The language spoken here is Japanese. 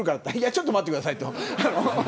ちょっと待ってくださいと。